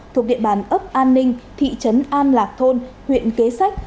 thuộc địa bàn ấp an ninh thị trấn an lạc thôn huyện kế sách